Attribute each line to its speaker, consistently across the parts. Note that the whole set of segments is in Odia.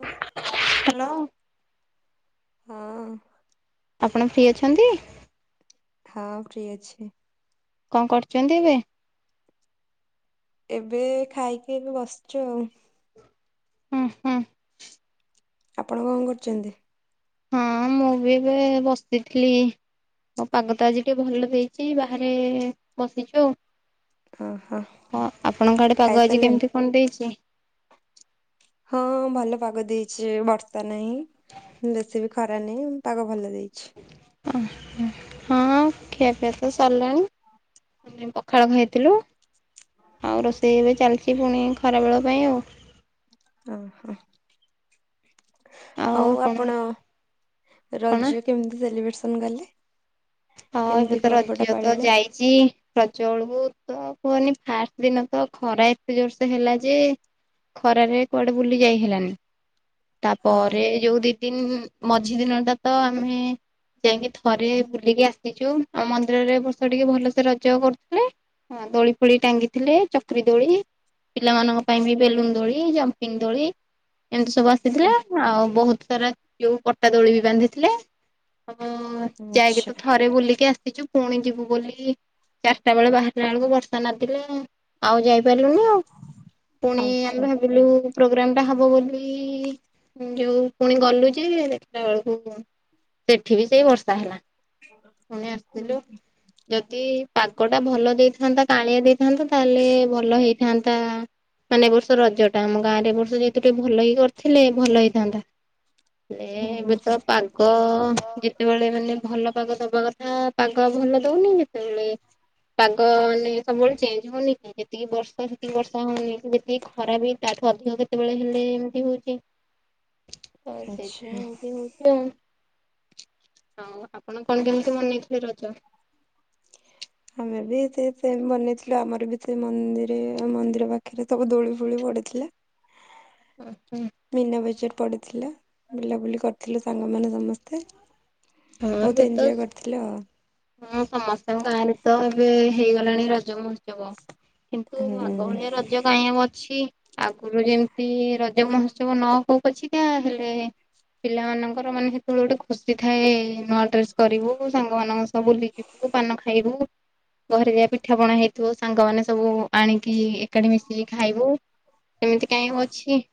Speaker 1: ହ।
Speaker 2: ହ୍ୟାଲୋ।
Speaker 1: ହଁ।
Speaker 2: ଆପଣ ଫ୍ରି ଅଛନ୍ତି?
Speaker 1: ହଁ ଫ୍ରି ଅଛି।
Speaker 2: କଣ କରୁଛନ୍ତି ଏବେ?
Speaker 1: ଏବେ ଖାଇକି ଏବେ ବସିଛୁ ଆଉ।
Speaker 2: ହୁଁ ହୁଁ।
Speaker 1: ଆପଣ କଣ କରୁଛନ୍ତି?
Speaker 2: ହଁ ମୁଁ ବି ଏବେ ବସିଥିଲି। ଆଉ ପାଗ ତ ଆଜି ଟିକେ ଭଲ ଦେଇଛି ବାହାରେ ବସିଛୁ ଆଉ।
Speaker 1: ଓହୋ
Speaker 2: ହଁ ଆପଣଙ୍କ ଆଡେ ପାଗ ଆଜି
Speaker 1: ଖାଇସାରିଲେଣି?
Speaker 2: କେମିତି କଣ ଦେଇଛି?
Speaker 1: ହଁ ଭଲ ପାଗ ଦେଇଛି ବର୍ଷା ନାହିଁ ଦେଶୀ ବି ଖ [unintelligible] ନେଇ ପାଗ ଭଲ ଦେଇଛି।
Speaker 2: ଉଁମ୍ ହଁ ଖିଆପିଆ ତ ସରିଲାଣି। ପଖାଳ ଖାଇ ଥିଲୁ। ଆଉ ରୋଷେଇ ଏବେ ଚାଲିଛି ପୁଣି ଖରାବେେଳ ପାଇଁ ଆଉ।
Speaker 1: ଓ ହୋ। ଆଉ ଆପଣ
Speaker 2: କଣ
Speaker 1: ରଜ କେମିତି ସେଲିବ୍ରେସନ କଲେ?
Speaker 2: ହଁ ଏବେ
Speaker 1: କେମିତି
Speaker 2: ତ
Speaker 1: ପର୍ବଟା
Speaker 2: ରଜ ତ
Speaker 1: ପାଳିଲେ?
Speaker 2: ଯାଇଛି। ରଜ ବେଳକୁ ତ କୁହନି ଫାଷ୍ଟ ଦିନ ତ ଖରା ଏତେ ଜୋରସେ ହେଲା ଯେ ଖରାରେ କୁଆଡେ ବୁଲି ଯାଇ ହେଲାନି। ତାପରେ
Speaker 1: ହଁ
Speaker 2: ଯୋଉ ଦି ଦିନ ମଝି ଦିନ ଟା ତ ଆମେ ଯାଇକି ଥରେ ବୁଲିକି ଆସିଛୁ ଆଉ ମନ୍ଦିରରେ ଏବର୍ଷ ଟିକେ ଭଲସେ ରଜ କରୁଥିଲେ। ହଁ ଦୋଳି ଫୋଳି ଟାଙ୍ଗିଥିଲେ ଚକ୍ରୀ ଦୋଳି ପିଲାମାନଙ୍କ ପାଇଁ ବି ବେଲୁନ ଦୋଳି ଜମ୍ପିଙ୍ଗ ଦୋଳି ଏମିତି ସବୁ ଆସିଥିଲା। ଆଉ ବହୁତ ସାରା ଯୋଉ ପଟା ଦୋଳି ବି ବାନ୍ଧିଥିଲେ ଆଉ ଯାଇକି
Speaker 1: ଆଚ୍ଛା
Speaker 2: ତ ଥରେ ବୁଲିକି ଆସିଛୁ ପୁଣି ଯିବୁ ବୋଲି ଚାରିଟା ବେଳେ ବାହାରିଲା ବେଳକୁ ବର୍ଷା ନାଦିଲା ଆଉ ଯାଇପାରିଲୁନି ଆଉ। ପୁଣି ଆମେ
Speaker 1: ଆଚ୍ଛା।
Speaker 2: ଭାବିଲୁ ପ୍ରୋଗ୍ରାମ ଟା ହବ ବୋଲି ଯୋଉ ପୁଣି ଗଲୁ ଯେ ଦେଖିଲା ବେଳକୁ ସେଠି ବି ସେଇ ବର୍ଷା ହେଲା। ପୁଣି ଆସିଥିଲୁ ଯଦି ପାଗଟା ଭଲ ଦେଇଥାନ୍ତା କାଆଁଳିଆ ଦେଇ ମୁଁ ତ ତାହେଲେ ଭଲ ହେଇଥାନ୍ତା। ମାନେ ଏ ବର୍ଷ ରଜ ଟା ଆମ ଗାଁରେ ଏବ ବର୍ଷ ଯେହେତୁ ଟିକେ ଭଲ ହେଇ କରିଥିଲେ ଭଲ ହେଇଥାନ୍ତା। ହେ
Speaker 1: ହୁଁ
Speaker 2: ଏବେ
Speaker 1: ହୁଁ
Speaker 2: ତ ପାଗ ଯେତେବେଳେ ମାନେ ଭଲ ପାଗ ଦବା କଥା ପାଗ ଭଲ ଦଉନି ଯେତେବେଳେ ପାଗ ତ ଅ ମାନେ ସବୁବେଳେ ଚେଞ୍ଜ ହଉନିକି? ଦି ବର୍ଷ ସେତିକି ବର୍ଷା ହଉନି କି ଯେତିକି ଖରା ବି ତାଠୁ ଅଧିକ କେ ଯେତେବେଳେ ହେଲେ ଏମତି ହଉଛି ଆଉ ସେଇଥିପାଇଁ
Speaker 1: ଆଚ୍ଛା
Speaker 2: ଏମତି ହଉଛି ଆଉ। ହଉ ଆପଣ କଣ କେମିତି ମନେଇଥିଲେ ରଜ?
Speaker 1: ଆମେ ବି ହେଥିରେ ଫିର ମନେଇଥିଲୁ ଆମର ବି ସେ ମନ୍ଦିରେ ମନ୍ଦିର ପାଖରେ ସବୁ ଦୁଳି ଫୁଳି ପଡିଥିଲା।
Speaker 2: ଓ ହୁଁ।
Speaker 1: ମୀନା ବଜାର ପଡିଥିଲା ବୁଲାବୁଲି କରିଥିଲୁ ସାଙ୍ଗମାନେ ସମସ୍ତେ। ବହୁତୁ ଏଞ୍ଜୟ୍ କରିଥିଲ ଆଉ।
Speaker 2: ହିଁ ସମସ୍ତଙ୍କ ଗାଁରେ ତ ଏବେ ହେଇଗଲାଣି ରଜମ ମହୋତ୍ସ ତ୍ସବ କିନ୍ତୁ ଆଗ
Speaker 1: ହୁଁ
Speaker 2: ଭଳିଆ ରଜ କାହିଁ ଆଉ ଅଛି। ଆଗୁରୁ ଯେମତି ରଜ ମହୋତ୍ସବ ନ ହଉ ପଛିିକା ହେଲେ ପିଲାମାନଙ୍କର ମାନେ ସେତେବେଳେ ଗୋଟେ ଖୁସି ଥାଏ, ନ ଡ୍ରେସ୍ କରିବୁ ସାଙ୍ଗମାନଙ୍କ ସହ ବୁଲି ଯିବୁ, ପାନ ଖାଇବୁ ଘରେ ଯା ପିଠା ପଣା ହେଇଥିବ ସାଙ୍ଗମାନେ ସବୁ ଆଣିକି ଏକାଠି ମିଶିକି ଖାଇବୁ, ସେମିତି କାଇଁ ଆଉ ଅଛି।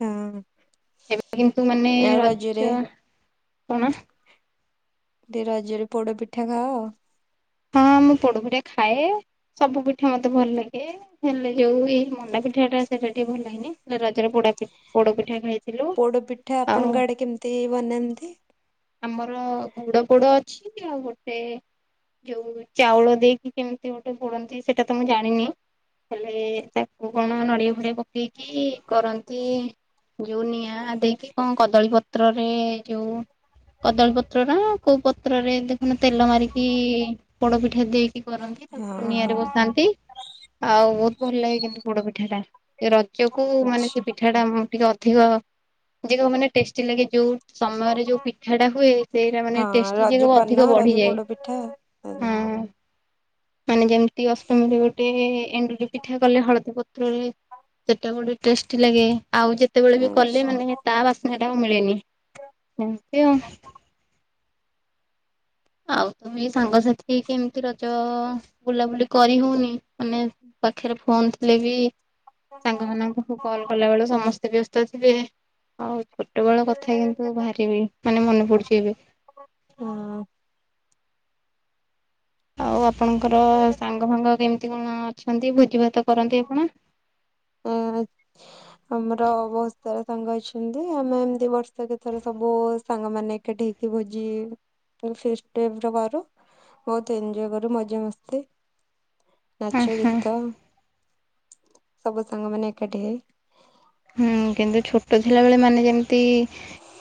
Speaker 1: ହଁ।
Speaker 2: ଏବେ କିନ୍ତୁ ମାନେ
Speaker 1: ଆଉ ରଜରେ
Speaker 2: ରଜ, କଣ?
Speaker 1: ଦେଇ ରଜରେ ପୋଡ ପିଠା ଖାଅ?
Speaker 2: ହଁ ମୁଁ ପୋଡପିଠା ଖାଏ। ସବୁ ପିଠା ମୋତେ ଭଲ ଲାଗେ। ହେଲେ ଯୋଉ ଏଇ ମଣ୍ଡା ପିଠା ଟା ସେଟା ଟିକେ ଭଲ ଲାଗେନି। ହେଲେ ରଜରେ ପୋଡପି ପୋଡ ପିଠା ଖାଇ
Speaker 1: ପୋଡ ପିଠା ଆପଣଙ୍କ ଆଡେ କେମିତି ବନାନ୍ତି?
Speaker 2: ଆମର ଗୁଡ ପୋଡ ଅଛି ଆଉ ଗୋଟେ ଯୋଉ ଚାଉଳ ଦେଇକି କେମିତି ଗୋଟେ ପୋଡନ୍ତି ସେଟା ତ ମୁଁ ଜାଣିନି ହେଲେ ତାକୁ କଣ ନଡିଆ ଫଡିଆ ପକେଇକି କରନ୍ତି। ଯୋଉ ନିଆଁ ଦେଇକି କଣ କଦଳୀ ପତ୍ରରେ ଯୋଉ କଦଳୀ ପତ୍ର ନା କୋଉ ପତ୍ରରେ ଦେଖୁନୁ ତେଲ ମାରିକି ପୋଡ ପିଠା ଦେଇକି କରନ୍ତି
Speaker 1: ହଁ
Speaker 2: ତାକୁ ନିଆଁରେ
Speaker 1: ହଁ
Speaker 2: ବସାନ୍ତି। ଆଉ ବହୁତ ଭଲ ଲାଗେ କିନ୍ତୁ ପୋଡ ପିଠା ଟା। ଏ ରଜକୁ ମାନେ ସେ
Speaker 1: ଆଚ୍ଛା।
Speaker 2: ପିଠା ଟା ଉଁ, ଟିକେ ଅଧିକ ଯେ ଯୋଉ ମାନେ ଟେଷ୍ଟି ଲାଗେ ଯୋଉ ସମୟରେ ଯୋଉ ପିଠା ଟା ହୁଏ ସେଇଟା ମାନେ ଟେଷ୍ଟି ଯେ [unintelligible] ଅଧିକ ବଢିଯାଏ।
Speaker 1: ଥ
Speaker 2: ହଉ। ମାନେ ଯେମିତି ଅଷ୍ଟମୀରେ ଗୋଟେ ଏଣ୍ଡୁରି ପିଠା କଲେ ହଳଦୀ ପତ୍ରରେ ସେଟା ଗୋଟେ ଟେଷ୍ଟି ଲାଗେ, ଆଉ ଯେତେବେଳେ ବି କଲେ
Speaker 1: ଆଚ୍ଛା।
Speaker 2: ମାନେ ତା ବାସ୍ନା ଟା ଆଉ ମିଳେନି। ସେମତି ଅ, ଆଉ ତ ବି ସାଙ୍ଗସାଥି କେ- କେମତି ରଜ ବୁଲାବୁଲି କରି ହଉନି, ମାନେ ପାଖରେ ଫୋନ୍ ଥିଲେ ବି ସାଙ୍ଗମାନଙ୍କ ପାଖକୁ କଲ୍ କଲାବେଳୁ ସମସ୍ତେ ବ୍ୟସ୍ତ ଥିବେ। ହଁ ଛୋଟବେଳ କଥା କିନ୍ତୁ ଭାରିବି ମାନେ ମନେ ପଡୁଛି ଏବେ।
Speaker 1: ହଁ।
Speaker 2: ଆଉ ଆପଣଙ୍କର ସାଙ୍ଗ ଫାଙ୍ଗ କେମିତି କଣ ଅଛନ୍ତି? ଭୋଜି ଭାତ କରନ୍ତି ଆପଣ?
Speaker 1: ଆଁ, ଆମର ବହୁତ ସାରା ସାଙ୍ଗ ଅଛନ୍ତି, ଆମେ ଏମତି ବର୍ଷ ସବୁଥର ସବୁ ସାଙ୍ଗ ମାନେ ଏକାଠି ହେଇକି ଭୋଜି ମାନେ ଫିଷ୍ଟ ଟାଇପ୍ ର କରୁ। ବହୁତୁ ଏନଞ୍ଜୟ କରୁ ମଜା ମସ୍ତି
Speaker 2: ହଁ
Speaker 1: ନାଚ
Speaker 2: ହଁ।
Speaker 1: ଗୀତ ସବୁ ସାଙ୍ଗମାନେ ଏକାଠି ହେଇ।
Speaker 2: ହୁଁ, କିନ୍ତୁ ଛୋଟ ଥିଲାବେଳେ ମାନେ ଯେମିତି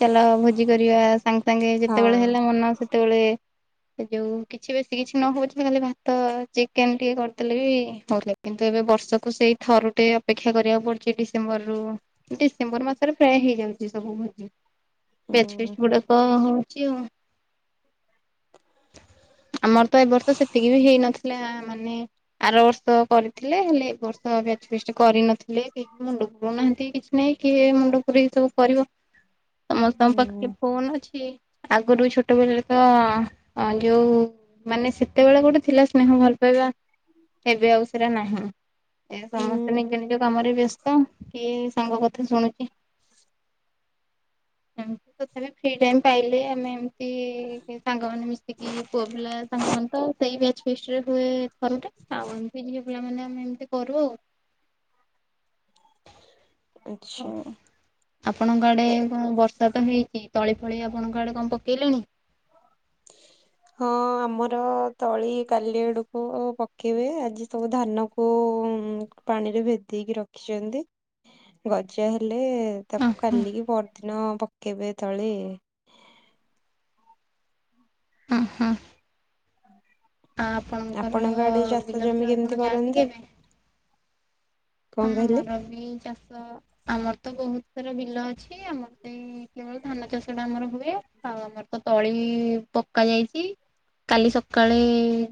Speaker 2: ଚାଲ ଭୋଜି କରିବା ସାଙ୍ଗେ ସାଙ୍ଗେ ଯେତେବେଳେ
Speaker 1: ହଁ
Speaker 2: ହେଲା ମନ ସେତେବେଳେ ଏ ଯୋଉ କିଛି ବେଶୀ କିଛି ନ ହଉ ପଛେ ଖାଲି ଭାତ ଚିକେନ୍ ଟିକେ କରିଦେଲେ ବି ହଉ ଥିଲା। କିନ୍ତୁ ଏବେ ବର୍ଷକୁ ସେଇ ଥରୁ ଟେ ଅପେକ୍ଷା କରିବାକୁ ପଡୁଛି ଡିସେମ୍ବର ରୁ ଡିସେମ୍ବର ମାସରେ ପ୍ରାୟ ହେଇଯାଉଚି ସବୁ ଭୋଜି। ବ୍ୟାଚ୍
Speaker 1: ହୁଁ
Speaker 2: ଫିଷ୍ଟ ଗୁଡାକ ହଉଚି ଆଉ। ଆମର ତ ଏ ବର୍ଷ ସେତିକି ବି ହେଇନଥିଲା ମାନେ ଆର ବର୍ଷ କରିଥିଲେ, ହେଲେ ଏ ବର୍ଷ ବେଚ୍ ଫିଷ୍ଟ କରିନଥିଲେ କେହି ମୁଣ୍ଡ ପୁରଉନାହାନ୍ତି କିଛି ନାଇଁ କିଏ ମୁଣ୍ଡପୁରେଇକି ସବୁ କରିବ। ସମସ୍ତଙ୍କ
Speaker 1: ହୁଁ
Speaker 2: ପାଖରେ ଫୋନ୍ ଅଛି, ଆଗରୁ ଛୋଟ ବେଲେ ତ ଆଁ ଯୋଉ ମାନେ ସେତେବେଳେ ଗୋଟେ ଥିଲା ସ୍ନେହ ଭଲ ପାଇବା ହେବେ ଆଉ ସେଟା ନାହିଁ। ଏ
Speaker 1: ହୁଁ
Speaker 2: ସମସ୍ତେ ନିଜ ନିଜ କାମରେ ବ୍ୟସ୍ତ କିଏ ସାଙ୍ଗ କଥା ଶୁଣୁକି ତଥାପ ଫ୍ରି ଟାଇମ ପାଇଲେ ଆମେ ଏମତି ସାଙ୍ଗ ମ ମି ପୁଅ ପିଲା ସାଙ୍ଗମାନୋନ ତ ସେଇ ପ୍ୟାଜ ଫିସ୍ଟି ରେ ହୁଏ ଥରଟେ ଆଉ ଏମିତି ଟିକେ ପିଲାମାନେ ଆମେ ଏମିତି କରୁ ଆଉ।
Speaker 1: ଆଚ୍ଛା
Speaker 2: ହ ଆପଣଙ୍କ ଆଡେ
Speaker 1: ଏ
Speaker 2: କଣ ବର୍ଷା ତ ହେଇଛି ତଳି ଫଳି ଆପଣଙ୍କ ଆଡେ କଣ ପକେଇଲେଣି? [unintelligible] [inaudible]
Speaker 1: ହଁ ଆମର ତଳି କାଲି ଆଡକୁ ପକେଇବେ ଆଜି ସବୁ ଧାନ କୁ ପାଣିରେ ଭେଦେଇକି ରଖିଛନ୍ତି। ଗଜା ହେଲେ ତାକୁ
Speaker 2: ଓହୋ
Speaker 1: କାଲିକି ପରଦିନ ପକେଇବେ ତଳେ।
Speaker 2: ହଁ ହଁ ଆ ଆପଣଙ୍କର
Speaker 1: ଆପଣଙ୍କ ଆଡେ ଚାଷ
Speaker 2: ବିଲ
Speaker 1: ଜମି
Speaker 2: ଫିଲ ଆପଣ
Speaker 1: କେମିତି କରନ୍ତି?
Speaker 2: ଯାଆନ୍ତି କେ ଏବେ? ହଁ
Speaker 1: କଣ କହିଲେ?
Speaker 2: ଆମର ବି ଚାଷ ଆମର ତ ବହୁତ ସାରା ବିଲ ଅଛି ଆମର ତ କେବଳ ଧାନ ଚାଷ ଟା ଆମର ହୁଏ ଆଉ ଆମର ତ ତଳି ପକା ଯାଇଛି। କାଲି ସକାଳେ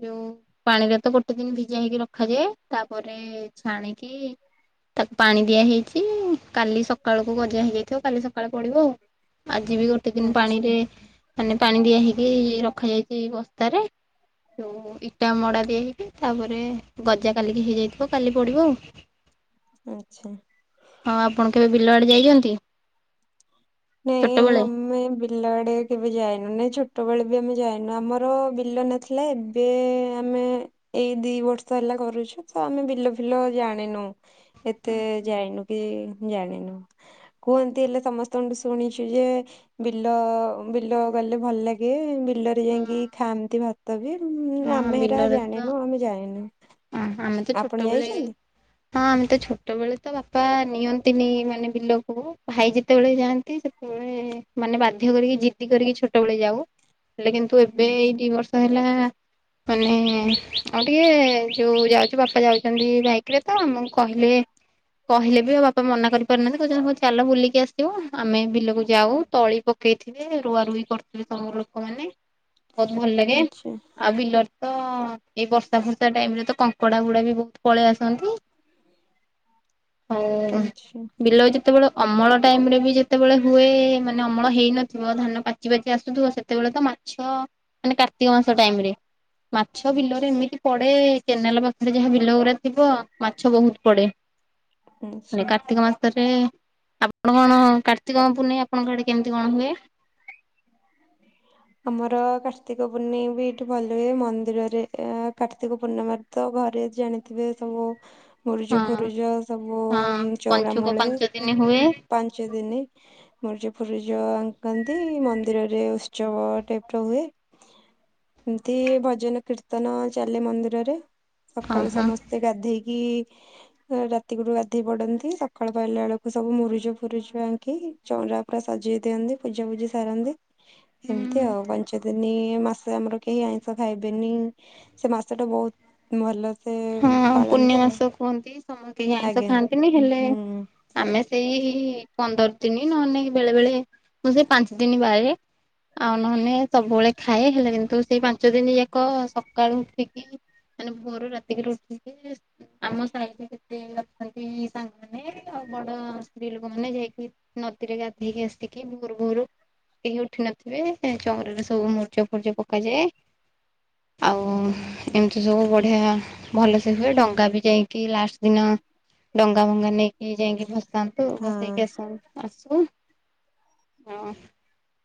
Speaker 2: ଯୋଉ ପାଣିରେ ତ ଗୋଟେ ଦିନ ଭିଜା ହେଇକି ରଖାଯାଏ ତାପରେ ଛାଣିକି ତାକୁ ପାଣି ଦିଆ ହେଇଛି କାଲି ସକାଳକୁ ଗଜା ହେଇଯାଇଥିବ କାଲି ସକାଳୁ ପଡିବ ଆଉ। ଆଜି ବି ଗୋଟେ ଦିନ
Speaker 1: ଆଚ୍ଛା
Speaker 2: ପାଣିରେ ମାନେ ପାଣି ଦିଆ ହେଇକି ରଖାଯାଇଛି ବସ୍ତାରେ। ଇଟା ମଡା ଦିଆ ହେଇକି ତାପରେ ଗଜା କାଲିକି ହେଇଯାଇଥିବ କାଲି ପଡିବ ଆଉ।
Speaker 1: ଆଚ୍ଛା
Speaker 2: ହଁ ଆପଣ କେବେ ବିଲଆଡେ ଯାଇଛନ୍ତି?
Speaker 1: ନାଇ
Speaker 2: ଛୋଟବେଳେ?
Speaker 1: ଆମେ ବି ବିଲ ଆଡେ କେବେ ଯାଇନୁ ନାଇଁ ଛୋଟବେେଳେ ବି ଆମେ ଯାଇନୁ। ଆମର ବିଲ ନଥିଲାବେ ଏବେ ଆମେ ଏଇ ଦି ବର୍ଷ ହେଲା କରୁଛୁ ତ ଆମେ ବିଲ ଫିଲ ଜାଣିନୁ। ଏତେ ଜାଣିନୁ କି ଜାଣିନୁ। କୁହନ୍ତି ହେଲେ ସମସ୍ତଙ୍କ ଶୁଣିଛୁ ଯେ ବିଲ ବିଲ ଗଲେ ଭଲ ଲାଗେ। ବିଲ
Speaker 2: ହଁ
Speaker 1: ଯାଇକି ଖାଆନ୍ତି ଭାତ ବି
Speaker 2: ହଁ
Speaker 1: ଆମେ ହେରା ଜାଣିନୁ ଆମେ ଯାଇନୁ।
Speaker 2: ଓ ଆମେ ତ
Speaker 1: ଆପଣ
Speaker 2: ଛୋଟବେଳେ
Speaker 1: ଯାଇଛନ୍ତି?
Speaker 2: ହଁ ଆମେ ତ ଛୋଟବେେଳେ ତ ବାପା ନିଅନ୍ତିନି ମାନେ ବିଲକୁ ଭାଇ ଯେତେବେଳେ ଯାଆନ୍ତି ସେ ମାନେ ବାଧ୍ୟ କରିକି ଜିତିି କରିକି ଛୋଟବେଳେ ଯାଉ। ହେଲେ କିନ୍ତୁ ଏବେ ଏଇ
Speaker 1: ଆଚ୍ଛା
Speaker 2: ଦି ବର୍ଷ ହେଲା ମାନେ ଆଉ ଟିକେ ଯୋଉ ଯାଉଛି ବାପା ଯାଉଛନ୍ତି ବାଇକ ରେ ତ ଆମକୁ କହିଲେ କହିଲେ ବି ଆଉ ବାପା ମନା କରିପାରୁନାହାନ୍ତି କହୁଛନ୍ତି କହୁ ଚାଲ ବୁଲିକି ଆସିବ ଆମେ ବିଲକୁ ଯାଉ। ତାଳି ପ ପକେଇଥିଲେ ରୁଆ ରୁଇ କରିଥିଲେ ତମର ଲୋକମାନେ। ବହୁତ ଭଲ ଲାଗେ
Speaker 1: ଆଚ୍ଛା
Speaker 2: ଆଉ ବିଲରେ ତ ଏଇ ବର୍ଷା ଫର୍ଷା ଟାଇମ ରେ ତ କଙ୍କଡା ଗୁଡା ବି ବହୁତ ପଳେଇ ଆସନ୍ତି। ହଉ
Speaker 1: ଆଚ୍ଛା।
Speaker 2: ବିଲ ଉ ଯେତେବେଳ ଅମଳ ଟାଇମ ରେ ବି ଯେତେବେଳେ ହୁଏ ମାନେ ଅମଳ ହେଇନଥିବ ଧାନ ପାଚି ପାଚି ଆସୁଥିବ ସେତେବେଳେ ତ ମାଛ ମାନେ କାର୍ତ୍ତିକ ମାସ ଟାଇମରେ ମାଛ ବିଲରେ ଏମିତି ପଡେ କେନାଲ ପାଖରେ ଯାହା ବିଲ ଗୁଡା ଥିବ ମାଛ ବହୁତ ପଡେ।
Speaker 1: ଆଚ୍ଛା।
Speaker 2: ମେ କାର୍ତ୍ତିକ ମାସରେ ଆପଣ କଣ କାର୍ତ୍ତିକଙ୍କ ପୁନେଇ ଆପଣଙ୍କ ଆଡେ କେମିତି କଣ ହୁଏ? ହ
Speaker 1: ଆମର କାର୍ତ୍ତିକ ପୂର୍ଣିମୀ ବି ଏଇଠି ଭଲ ହୁଏ ମନ୍ଦିରରେ କାର୍ତ୍ତିକ ପୂର୍ଣ୍ଣିମା ତ ଘରେ ଜାଣିଥିବେ ସବୁ ମୁରୁଜ
Speaker 2: ହଁ
Speaker 1: ଫୁରୁଜ ସବୁ
Speaker 2: ହଁ ପଞ୍ଚୁକ
Speaker 1: ଚଉରାମୂଳେ
Speaker 2: ପାଞ୍ଚ ଦିନ ହୁଏ
Speaker 1: ପାଞ୍ଚ ଦିନି ମୁରୁଜ ଫୁରୁଜ ଆଙ୍କନ୍ତି ମନ୍ଦିରରେ ଉତ୍ସବ ଟାଇପ ର ହୁଏ। ଏମତି ଭଜନ କୀର୍ତ୍ତନ ଚାଲେ ମନ୍ଦିରରେ।
Speaker 2: ହଁ
Speaker 1: ସକାଳୁ
Speaker 2: ହଁ।
Speaker 1: ସମସ୍ତେ ସେ ଗାଧେଇକି ରାତି କରୁ ଗାଧେଇ ପଡନ୍ତି। ସକାଳୁ ପାଇଲା ବେଳକୁ ସବୁ ମୁରୁଜ ଫୁରୁଜ ଆଙ୍କି ଚଉରା ପୁରା ସଜେଇ ଦିଅନ୍ତି ପୂଜା ପୁଜି ସାରନ୍ତି ଏମିତି ଆଉ। ସେଦିନି ମାସ ଆମର କେହି ଆଇଁଷ ଖାଇବେନି। ସେ ମାସ ଟା ବହୁତ ଭଲ। ସେ
Speaker 2: ହଁ ପୂର୍ଣ
Speaker 1: ପାଳନ୍ତି ଆଉ
Speaker 2: ମାସ କୁହନ୍ତି, ସମସ୍ତ କେହି ଆଇଁଷ
Speaker 1: ଆଜ୍ଞା।
Speaker 2: ଖାଆନ୍ତିନି,
Speaker 1: ହୁଁ
Speaker 2: ହେଲେ
Speaker 1: ହୁଁ
Speaker 2: ଆମେ ସେଇ ପନ୍ଦର ଦିନ ନହେଲେ ବେଳେ ବେଳେ ମୁଁ ସେଇ ପାଞ୍ଚ ଦିନ ବାରେ। ଆଉ ନହେଲେ ସବୁବେଳେ ଖାଏ। ହେଲେ କିନ୍ତୁ ସେଇ ପାଞ୍ଚ ଦିନ ଯାକ ସକାଳୁ ଉଠିକି ମାନେ ଭୋରୁ ରାତିକରୁ ଉଠିକି ଆମ ସାହିରେ କେତେ ଅଛନ୍ତି ସାଙ୍ଗମାନେ ଆଉ ବଡ ସ୍ତ୍ରୀ ଲୋକ ମାନେ ଯାଇକି ନଦୀରେ ଗାଧେଇକି ଆସିକି ଭୋରୁ ଭୋରୁ କେହି ଉଠି ନଥିବେ ଚଉଁରାରେ ସବୁ ମର୍ଜ ଫୁର୍ଜ ପକାଯାଏ। ଆଉ ଏମିତି ସବୁ ବଢିଆ ଭଲ ସେ ହୁଏ। ଡଙ୍ଗା ବି ଯାଇକି ଲାଷ୍ଟ ଦିନ ଡଙ୍ଗା ଭଙ୍ଗା ନେଇକି ଇ ଯାଇକି ବସନ୍ତୁ ବସେଇକି
Speaker 1: ହଁ
Speaker 2: ଆସ ଆସୁ। ହଁ।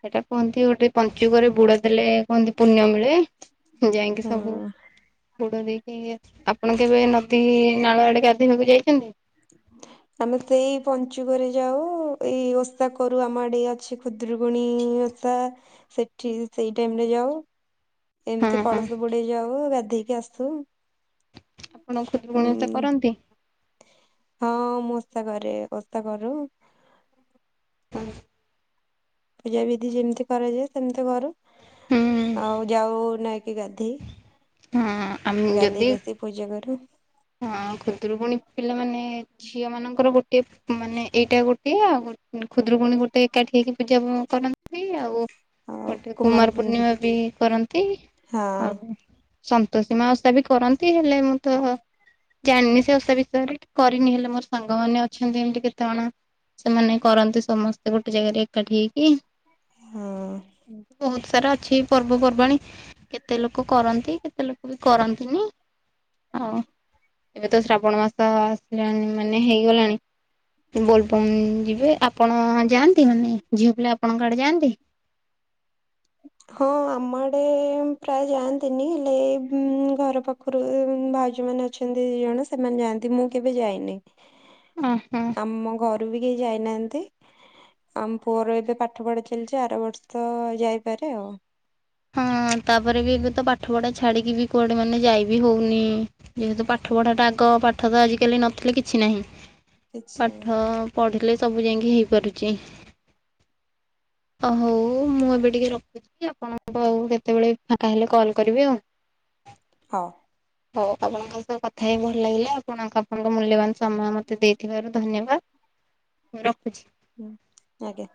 Speaker 2: ସେଇଟା କୁହନ୍ତି ଗୋଟେ ପଞ୍ଚୁକରେ ବୁଡ ଦେଲେ କୁହନ୍ତି ପୁଣ୍ୟ ମିଳେ। ଯାଇକି
Speaker 1: ହଁ
Speaker 2: ସବୁ ବୁଡ ଦେଇକି ଆପଣ କେବେ ନଦୀ ନାଳ ଆଡେ ଗାଧେଇବାକୁ ଯାଇଛନ୍ତି?
Speaker 1: ଆମେ ତ ଏଇ ପଞ୍ଚୁକରେ ଯାଉ ଏଇ ଓଷା କରୁ। ଆମ ଆଡେ ଅଛି ଖୁଦ୍ରକୁଣୀ ଓଷା ସେଠି ସେଇ ଟାଇମ ରେ ଯାଉ। ଏମିତି
Speaker 2: ହଁ ହଁ
Speaker 1: କଳସ ବୁଡେଇ ଯାଉ ଗାଧେଇକି ଆସୁ।
Speaker 2: ଆପଣ ଖୁଦୁରୁକୁଣୀ ଓଷା
Speaker 1: ହୁଁ।
Speaker 2: କରନ୍ତି?
Speaker 1: ହଁ ମୁଁ ଓଷା କରେ। ଓଷା କରୁ।
Speaker 2: ହଁ।
Speaker 1: ପୂଜା ବିିଧି ଯେମିତି କରାଯାଏ ସେମିତି କରୁ।
Speaker 2: ହୁଁ
Speaker 1: ଆଉ ଯାଉ ନଇକି ଗାଧେଇ।
Speaker 2: ହଁ। ଆମେ ଯଦି
Speaker 1: ଗାଧେଇ ଆସି ପୂଜା କରୁ।
Speaker 2: ହଁ ଖୁଦୁରୁକୁୁଣୀ ପିଲାମାନେ ଝିଅ ମାନଙ୍କର ଗୋଟିଏ ମାନେ ଏଇଟା ଗୋଟେ ଆଉ ଖୁଦରୁକୁୁଣୀ ଗୋଟେ ଏକାଠି ହେଇକି ପୂଜା କରନ୍ତି ଆଉ ଗୋଟେ କୁମାର ପୂର୍ଣ୍ଣିମା ବି କରନ୍ତି ଆଉ ସନ୍ତୋଷୀ ମା ଓଷା ବି କରନ୍ତି। ହେଲେ ମୁଁ ତ ଜାଣିନି ସେ ଓଷା ବିଷୟରେ କରିନି ହେଲେ ମୋର ସାଙ୍ଗମାନୋନ ଅଛନ୍ତି ଏମତି କେତେ ଜଣ ସେମାନେ କରନ୍ତି ସମସ୍ତେ ଗୋଟେ ଜାଗାରେ ଏକାଠି ହେଇକି।
Speaker 1: ହଁ ହଁ
Speaker 2: ବହୁତ ସାରା ଅଛିି ପର୍ବ ପର୍ବାଣି କେ କେତେ ଲୋକ କରନ୍ତି କେତେ ଲୋକ ବି କରନ୍ତିନି ଆଉ ଏବେ ତ ଶ୍ରାବଣ ମାସ ଆସିଲାଣି ମାନେ ହେଇଗଲାଣି। ବୋଲବମ ଯିବେ। ଆପଣ ଯାଆନ୍ତି, ମାନେ ଝିଅ ପିଲା ଆପଣଙ୍କ ଆଡେ ଯାଆନ୍ତି?
Speaker 1: ହଁ ଆମଡେ ପ୍ରାୟ ଯାଆନ୍ତିନି ହେଲେ ଏଇ ଘର ପା ପାଖରୁ ଭାଉଜମାନ ଅଛନ୍ତି ଦି ଜଣ ସେମାନେ ଯାଆନ୍ତି। ମୁଁ କେବେ ଯାଇନି।
Speaker 2: ଓ ହଁ।
Speaker 1: ଆମ ଘରୁ ବି କେହି ଯାଇନାହାନ୍ତି। ଆମ ପୁଅର ଏବେ ପାଠ ପଢା ଚାଲିଛି ଆର ବର୍ଷ ଯାଇପାରେ ଆଉ।
Speaker 2: ହଁ ତାପରେ ବି ଏବେ ତ ପାଠ ପଢା ଛାଡିକି ବି କୁଆଡେ ମାନେ ଯାଇ ବି ହଉନି। ଯେହେତୁ ପାଠ ପଢାଟା ଆଗ ପାଠ ତ ଆଜିକାଲି ନଥିଲେ କିଛି ନାହିଁ।
Speaker 1: କିଛି
Speaker 2: ପାଠ ପଢ଼ିଲେ ସବୁ ଯାଇକି ହେଇପାରୁଛି। ଅ ହଉ ମୁଁ ଏବେ ଟିକେ ରଖୁଛି। ଆପଣ ଙ୍କୁ ଆଉ କେତେବେଳେ ଫାଙ୍କା ହେଲେ କଲ୍ କରିବି ଆଉ।
Speaker 1: ହଁ।
Speaker 2: [unintelligible] ହଉ ଆପଣଙ୍କ ସହ କଥା ହେଇ ଭଲ ଲାଗିଲା। ଆପଣଙ୍କ, ଆପଣଙ୍କ ମୂଲ୍ୟବାନ ସମୟ ମତେ ଦେଇଥିବାରୁ ଧନ୍ୟବାଦ। ରଖୁଛି।
Speaker 1: ହୁଁ ପରେ